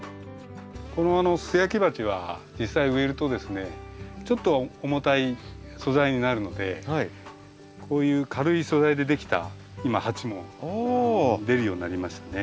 この素焼き鉢は実際植えるとですねちょっと重たい素材になるのでこういう軽い素材でできた今鉢も出るようになりましたね。